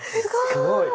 すごい。